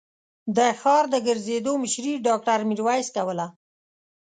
د ښار د ګرځېدو مشري ډاکټر ميرويس کوله.